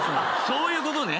そういうことね。